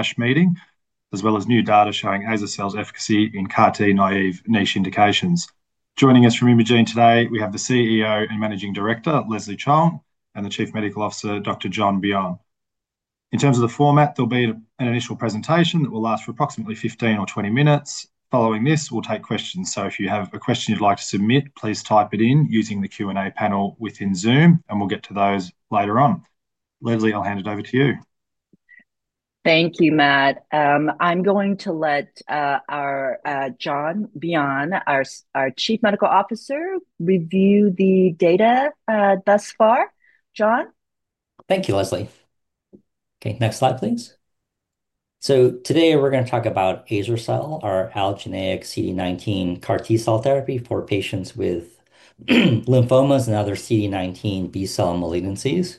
ASH meeting, as well as new data showing Azer-cel's efficacy in CAR T naive niche indications. Joining us from Imugene today, we have the CEO and Managing Director, Leslie Chong, and the Chief Medical Officer, Dr. John Byon. In terms of the format, there'll be an initial presentation that will last for approximately 15 or 20 minutes. Following this, we'll take questions, so if you have a question you'd like to submit, please type it in using the Q&A panel within Zoom, and we'll get to those later on. Leslie, I'll hand it over to you. Thank you, Matt. I'm going to let our John Byon, our Chief Medical Officer, review the data. Thus far. John? Thank you, Leslie. Okay, next slide, please. So today we're going to talk about Azer-cel, our allogeneic CD19 CAR T cell therapy for patients with lymphomas and other CD19 B cell malignancies.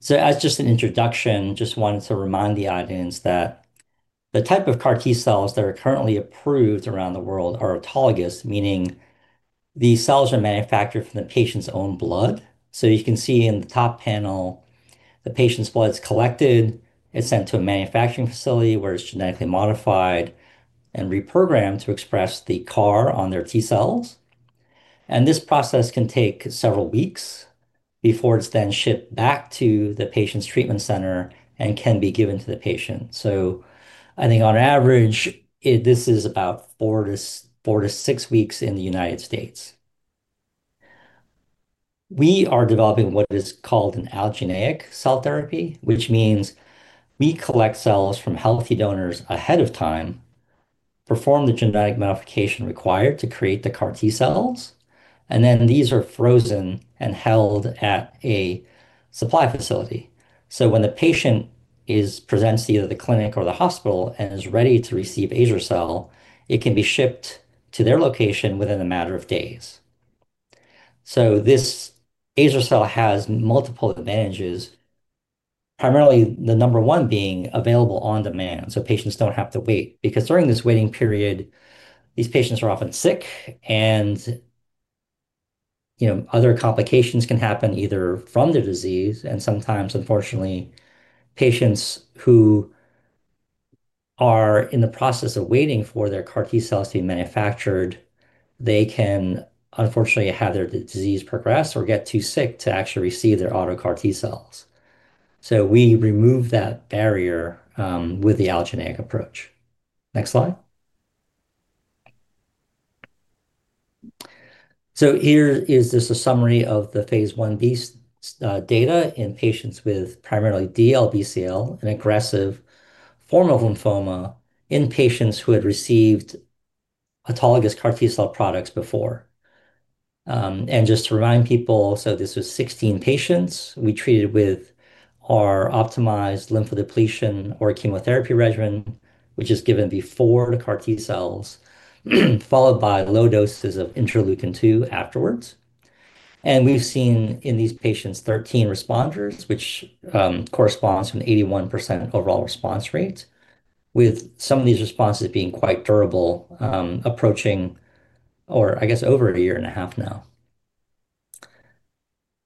So as just an introduction, I just wanted to remind the audience that the type of CAR T cells that are currently approved around the world are autologous, meaning these cells are manufactured from the patient's own blood. So you can see in the top panel, the patient's blood is collected, it's sent to a manufacturing facility where it's genetically modified and reprogrammed to express the CAR on their T cells. And this process can take several weeks before it's then shipped back to the patient's treatment center and can be given to the patient. So I think on average, this is about four to six weeks in the United States. We are developing what is called an allogeneic cell therapy, which means we collect cells from healthy donors ahead of time, perform the genetic modification required to create the CAR T cells, and then these are frozen and held at a supply facility. So when the patient presents either at the clinic or the hospital and is ready to receive Azer-cel, it can be shipped to their location within a matter of days. So this Azer-cel has multiple advantages. Primarily the number one being available on demand, so patients don't have to wait because during this waiting period these patients are often sick and other complications can happen either from their disease. And sometimes, unfortunately, patients who are in the process of waiting for their CAR T cells to be manufactured, they can unfortunately have their disease progress or get too sick to actually receive their auto CAR T cells. So we remove that barrier with the allogeneic approach. Next slide. So here is just a summary of the phase Ib data in patients with primarily DLBCL, an aggressive form of lymphoma in patients who had received autologous CAR T cell products before. And just to remind people, so this was 16 patients we treated with our optimized lymphodepletion or chemotherapy regimen, which is given before the CAR T cells, followed by low doses of interleukin-2 afterwards. And we've seen in these patients 13 responders, which corresponds to an 81% overall response rate, with some of these responses being quite durable, approaching or I guess over a year and a half now.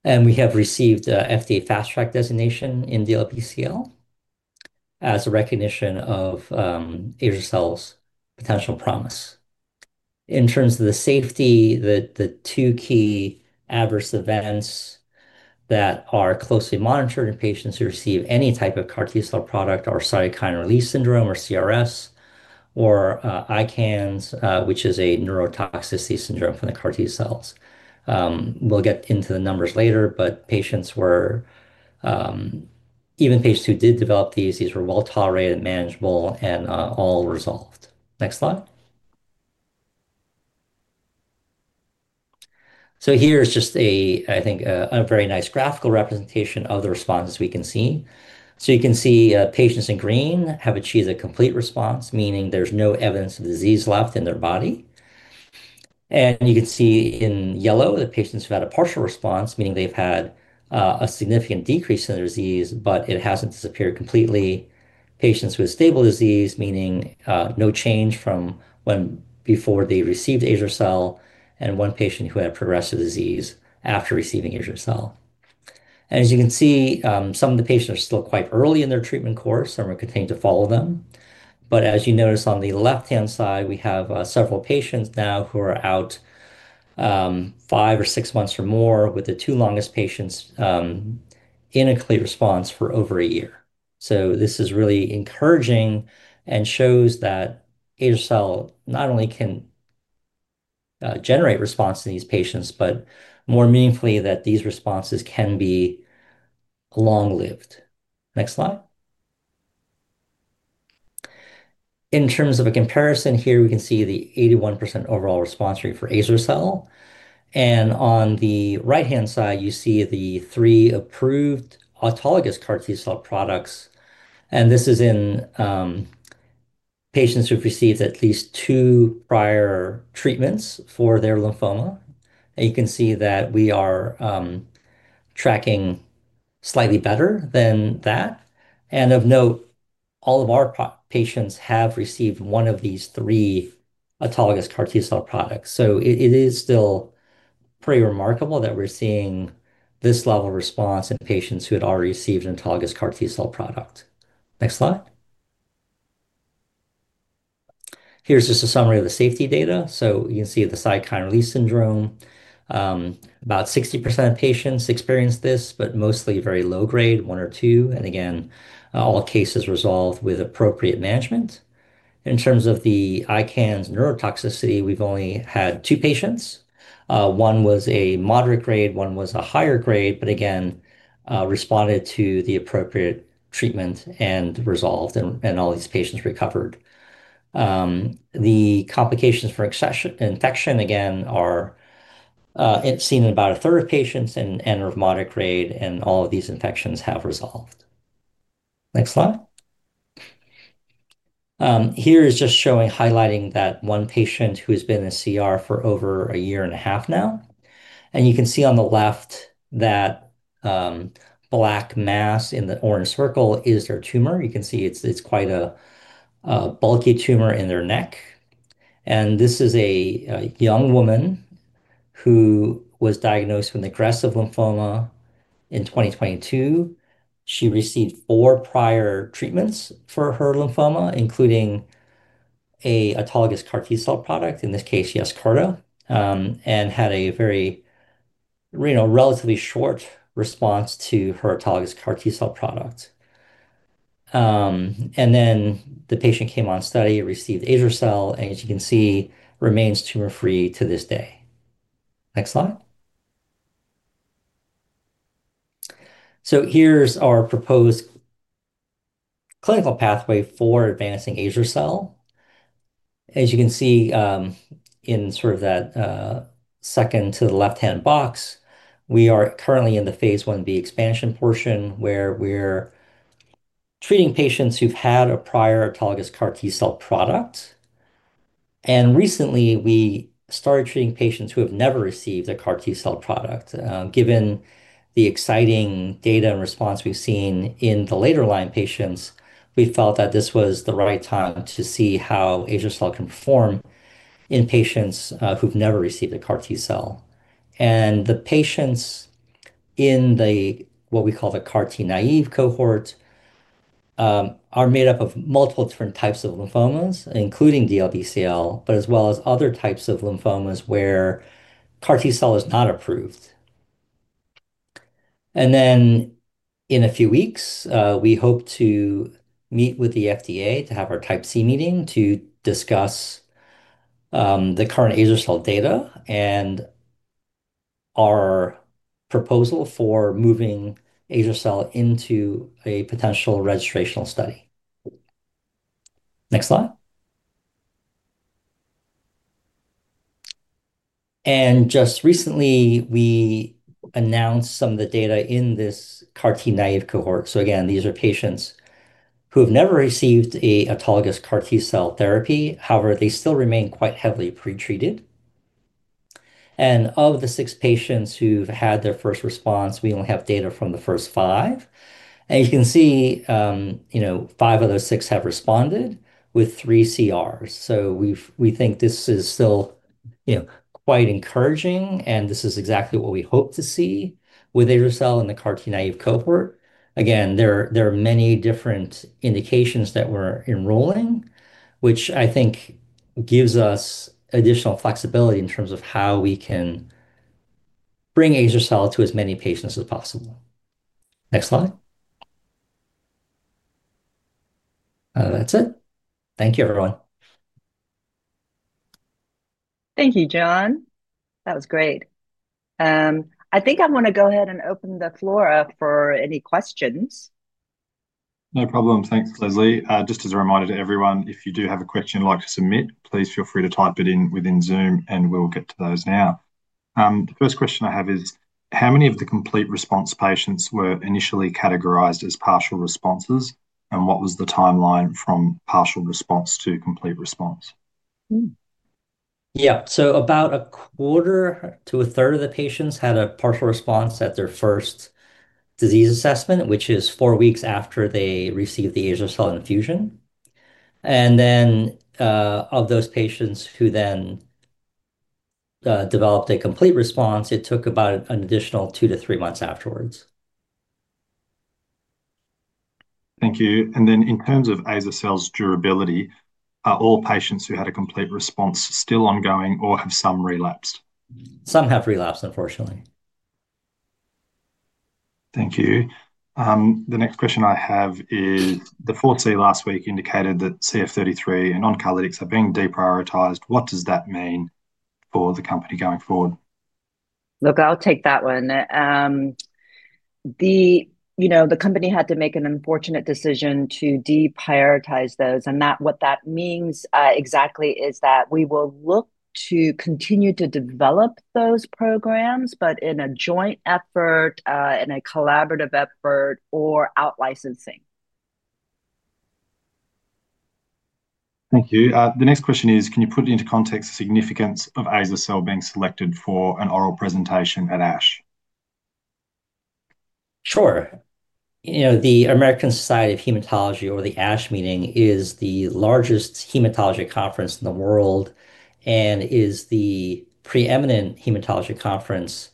And we have received FDA Fast Track designation in DLBCL as a recognition of Azer-cel's potential promise. In terms of the safety, the two key adverse events that are closely monitored in patients who receive any type of CAR T cell product are cytokine release syndrome or CRS or ICANS, which is a neurotoxicity syndrome from the CAR T cells. We'll get into the numbers later, but patients were even patients who did develop these; these were well tolerated, manageable, and all resolved. Next slide. So here's just a, I think, a very nice graphical representation of the responses we can see. So you can see patients in green have achieved a complete response, meaning there's no evidence of disease left in their body. And you can see in yellow the patients who had a partial response, meaning they've had a significant decrease in their disease, but it hasn't disappeared completely. Patients with stable disease, meaning no change from before they received Azer-cel and one patient who had progressive disease after receiving Azer-cel. And as you can see, some of the patients are still quite early in their treatment course, and we're continuing to follow them. But as you notice on the left-hand side, we have several patients now who are out five or six months or more, with the two longest patients in a complete response for over a year. So this is really encouraging and shows that Azer-cel not only can generate response to these patients, but more meaningfully that these responses can be long-lived. Next slide. In terms of a comparison here, we can see the 81% overall response rate for Azer-cel. And on the right-hand side, you see the three approved autologous CAR T cell products. And this is in patients who've received at least two prior treatments for their lymphoma. And you can see that we are tracking slightly better than that. And of note, all of our patients have received one of these three autologous CAR T cell products. So it is still pretty remarkable that we're seeing this level of response in patients who had already received an autologous CAR T cell product. Next slide. Here's just a summary of the safety data. So you can see the cytokine release syndrome. About 60% of patients experienced this, but mostly very low grade, one or two. And again, all cases resolved with appropriate management. In terms of the ICANS neurotoxicity, we've only had two patients. One was a moderate grade, one was a higher grade, but again responded to the appropriate treatment and resolved, and all these patients recovered. The complications for infection, again, are seen in about a third of patients and are of moderate grade, and all of these infections have resolved. Next slide. Here is just showing, highlighting that one patient who has been in CR for over a year and a half now. And you can see on the left that black mass in the orange circle is their tumor. You can see it's quite a bulky tumor in their neck. And this is a young woman who was diagnosed with aggressive lymphoma in 2022. She received four prior treatments for her lymphoma, including an autologous CAR T cell product, in this case, Yescarta, and had a very relatively short response to her autologous CAR T cell product. And then the patient came on study, received Azer-cel, and as you can see, remains tumor-free to this day. Next slide. So here's our proposed. Clinical pathway for advancing Azer-cel. As you can see, in sort of that second to the left-hand box, we are currently in the phase Ib expansion portion where we're treating patients who've had a prior autologous CAR T cell product, and recently, we started treating patients who have never received a CAR T cell product. Given the exciting data and response we've seen in the later line patients, we felt that this was the right time to see how Azer-cel can perform in patients who've never received a CAR T cell. The patients in what we call the CAR T naive cohort are made up of multiple different types of lymphomas, including DLBCL, but as well as other types of lymphomas where CAR T cell is not approved, and then, in a few weeks, we hope to meet with the FDA to have our Type C meeting to discuss the current Azer-cel data and our proposal for moving Azer-cel into a potential registrational study. Next slide. Just recently, we announced some of the data in this CAR T naive cohort, so again, these are patients who have never received an autologous CAR T cell therapy. However, they still remain quite heavily pretreated, and of the six patients who've had their first response, we only have data from the first five. You can see five of those six have responded with three CRs, so we think this is still quite encouraging, and this is exactly what we hope to see with Azer-cel in the CAR T naive cohort. Again, there are many different indications that we're enrolling, which I think gives us additional flexibility in terms of how we can bring Azer-cel to as many patients as possible. Next slide. That's it. Thank you, everyone. Thank you, John. That was great. I think I'm going to go ahead and open the floor up for any questions. No problem. Thanks, Leslie. Just as a reminder to everyone, if you do have a question you'd like to submit, please feel free to type it in within Zoom, and we'll get to those now. The first question I have is, how many of the complete response patients were initially categorized as partial responses, and what was the timeline from partial response to complete response? Yeah. So about a quarter to a third of the patients had a partial response at their first disease assessment, which is four weeks after they received the Azer-cel infusion. And then of those patients who then developed a complete response, it took about an additional two to three months afterwards. Thank you. And then in terms of Azer-cel's durability, are all patients who had a complete response still ongoing or have some relapsed? Some have relapsed, unfortunately. Thank you. The next question I have is, the 4C last week indicated that CF33 and oncolytics are being deprioritized. What does that mean for the company going forward? Look, I'll take that one. The company had to make an unfortunate decision to deprioritize those. And what that means exactly is that we will look to continue to develop those programs, but in a joint effort, in a collaborative effort, or outlicensing. Thank you. The next question is, can you put into context the significance of Azer-cel being selected for an oral presentation at ASH? Sure. The American Society of Hematology, or the ASH meeting, is the largest hematology conference in the world and is the preeminent hematology conference.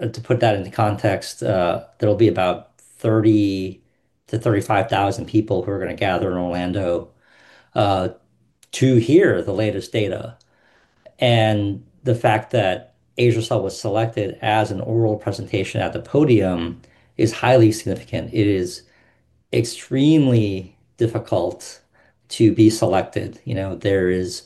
To put that into context, there will be about 30,000-35,000 people who are going to gather in Orlando to hear the latest data. The fact that Azer-cel was selected as an oral presentation at the podium is highly significant. It is extremely difficult to be selected. This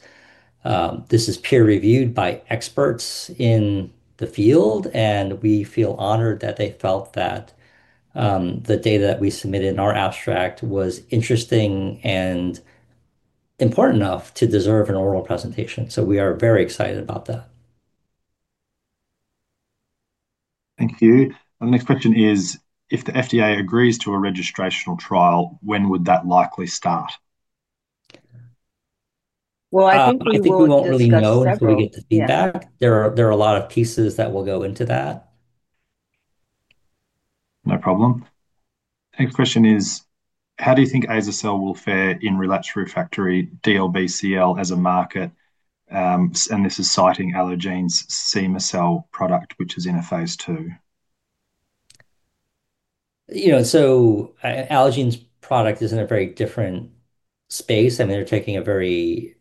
is peer-reviewed by experts in the field, and we feel honored that they felt that the data that we submitted in our abstract was interesting and important enough to deserve an oral presentation. We are very excited about that. Thank you. The next question is, if the FDA agrees to a registrational trial, when would that likely start? Well, I think we won't really know until we get the feedback. There are a lot of pieces that will go into that. No problem. Next question is, how do you think Azer-cel will fare in relapsed refractory DLBCL as a market? And this is citing Allogene's Semacel product, which is in a phase II. So Allogene's product is in a very different space. I mean, they're taking a very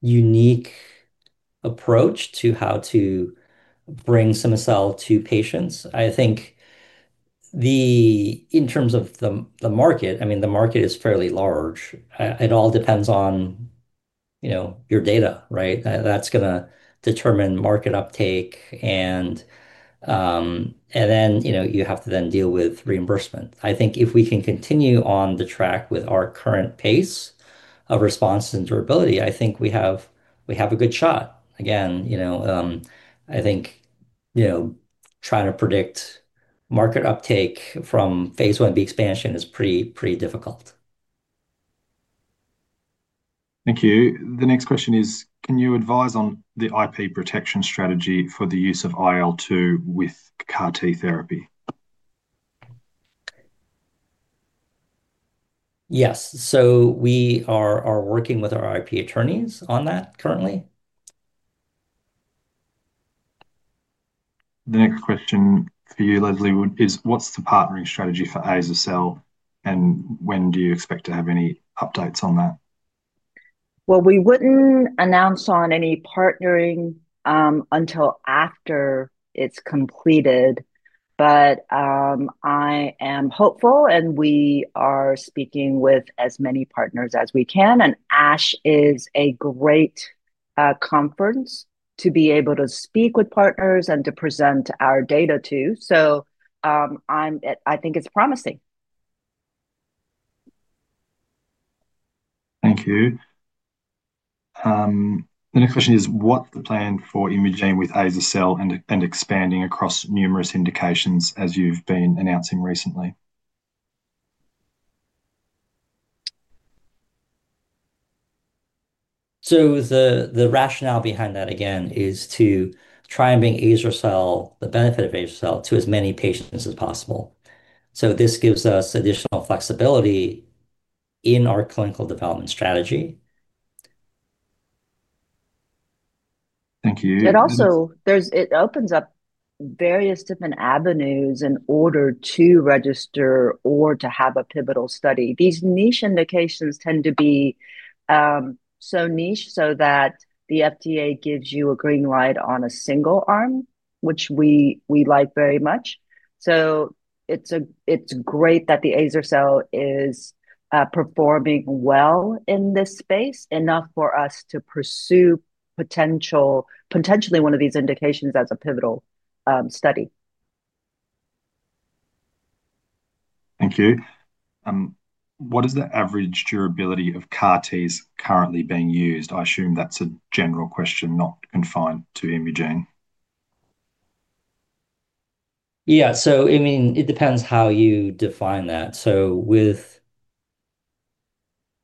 unique approach to how to bring Semacel to patients. I think in terms of the market, I mean, the market is fairly large. It all depends on your data, right? That's going to determine market uptake. And then you have to then deal with reimbursement. I think if we can continue on the track with our current pace of response and durability, I think we have a good shot. Again, I think trying to predict market uptake from phase Ib expansion is pretty difficult. Thank you. The next question is, can you advise on the IP protection strategy for the use of IL-2 with CAR T therapy? Yes. So we are working with our IP attorneys on that currently. The next question for you, Leslie, is, what's the partnering strategy for Azer-cel? and when do you expect to have any updates on that? We wouldn't announce on any partnering until after it's completed. I am hopeful, and we are speaking with as many partners as we can. ASH is a great conference to be able to speak with partners and to present our data to. I think it's promising. Thank you. The next question is, what's the plan for imaging with Azer-cel and expanding across numerous indications as you've been announcing recently? So the rationale behind that, again, is to try and bring Azer-cel, the benefit of Azer-cel to as many patients as possible. So this gives us additional flexibility in our clinical development strategy. Thank you. It opens up various different avenues in order to register or to have a pivotal study. These niche indications tend to be so niche so that the FDA gives you a green light on a single arm, which we like very much. So it's great that the Azer-cel is performing well in this space, enough for us to pursue potentially one of these indications as a pivotal study. Thank you. What is the average durability of CAR Ts currently being used? I assume that's a general question, not confined to Imugene. Yeah. So I mean, it depends how you define that. So with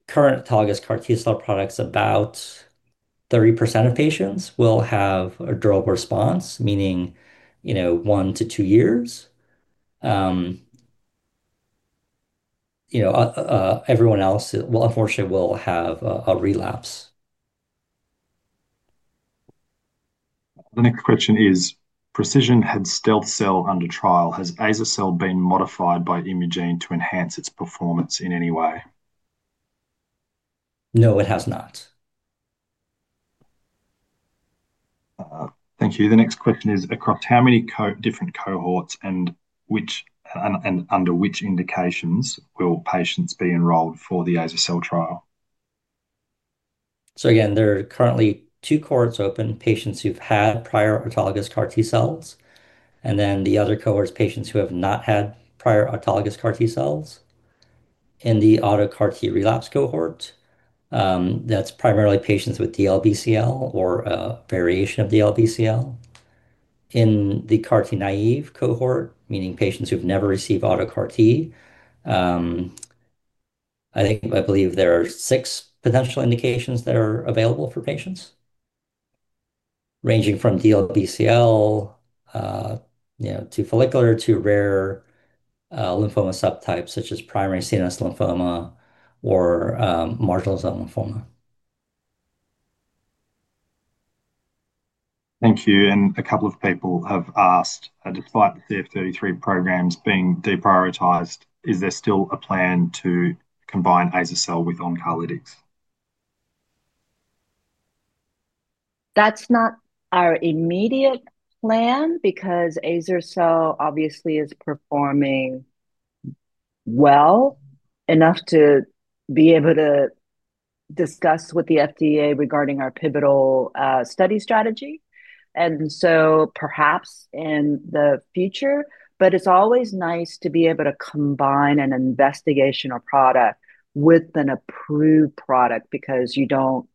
current autologous CAR T cell products, about 30% of patients will have a durable response, meaning one to two years. Everyone else, unfortunately, will have a relapse. The next question is: precision head stealth cell under trial, has Azer-cel been modified by Imugene to enhance its performance in any way? No, it has not. Thank you. The next question is, across how many different cohorts and under which indications will patients be enrolled for the Azer-cel trial? So again, there are currently two cohorts open, patients who've had prior autologous CAR T cells, and then the other cohort is patients who have not had prior autologous CAR T cells. In the auto CAR T relapse cohort, that's primarily patients with DLBCL or a variation of DLBCL. In the CAR T naive cohort, meaning patients who've never received auto CAR T. I believe there are six potential indications that are available for patients, ranging from DLBCL to follicular to rare lymphoma subtypes such as primary CNS lymphoma or marginal zone lymphoma. Thank you. And a couple of people have asked, despite the CF33 programs being deprioritized, is there still a plan to combine Azer-cel with oncolytics? That's not our immediate plan because Azer-cel obviously is performing well enough to be able to discuss with the FDA regarding our pivotal study strategy, and so perhaps in the future, but it's always nice to be able to combine an investigational product with an approved product because you don't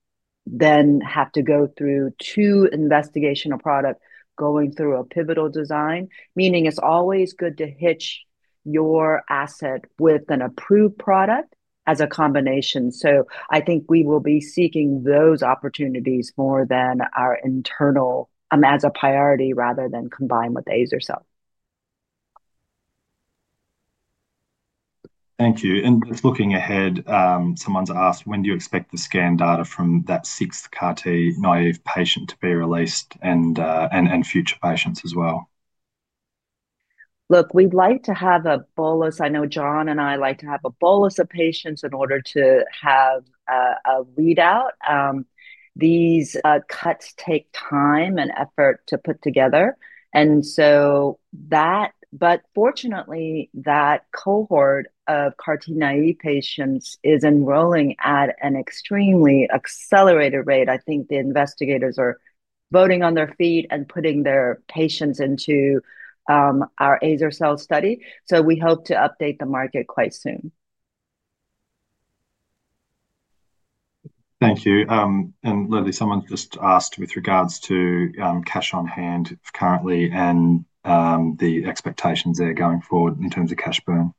then have to go through two investigational products going through a pivotal design. Meaning it's always good to hitch your asset with an approved product as a combination, so I think we will be seeking those opportunities more than our internal as a priority rather than combine with Azer-cel. Thank you. And just looking ahead, someone's asked, when do you expect the scan data from that sixth CAR T naive patient to be released and future patients as well? Look, we'd like to have a bolus. I know John and I like to have a bolus of patients in order to have a readout. These cohorts take time and effort to put together. And so that, but fortunately, that cohort of CAR T naive patients is enrolling at an extremely accelerated rate. I think the investigators are voting with their feet and putting their patients into our Azer-cel study. So we hope to update the market quite soon. Thank you, and Leslie, someone's just asked with regards to cash on hand currently and the expectations there going forward in terms of cash burn.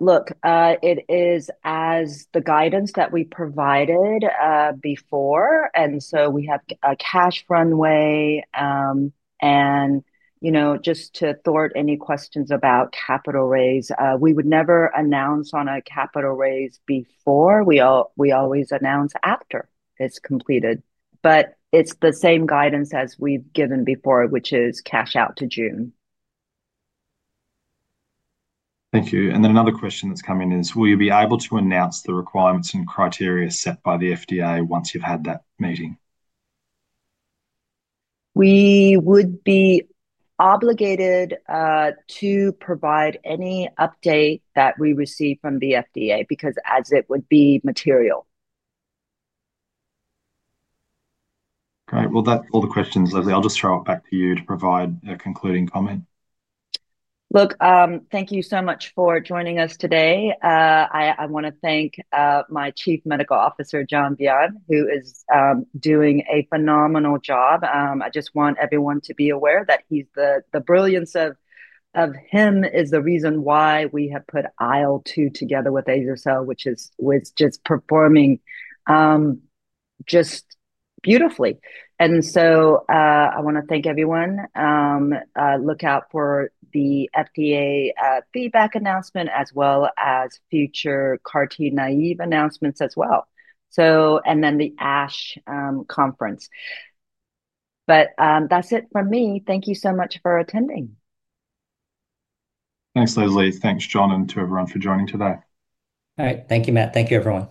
Look, it is as the guidance that we provided before. And so we have a cash runway. And just to thwart any questions about capital raise, we would never announce on a capital raise before. We always announce after it's completed. But it's the same guidance as we've given before, which is cash out to June. Thank you. And then another question that's coming is, will you be able to announce the requirements and criteria set by the FDA once you've had that meeting? We would be obligated to provide any update that we receive from the FDA because as it would be material. Great. Well, that's all the questions, Leslie. I'll just throw it back to you to provide a concluding comment. Look, thank you so much for joining us today. I want to thank my Chief Medical Officer, John Byon, who is doing a phenomenal job. I just want everyone to be aware that the brilliance of him is the reason why we have put IL-2 together with Azer-cel, which is just performing just beautifully, and so I want to thank everyone. Look out for the FDA feedback announcement as well as future CAR T naive announcements as well, and then the ASH conference, but that's it from me. Thank you so much for attending. Thanks, Leslie. Thanks, John, and to everyone for joining today. All right. Thank you, Matt. Thank you, everyone.